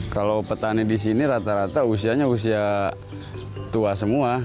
kalau petani di sini rata rata usianya usia tua semua